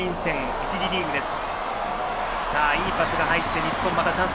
１次リーグです。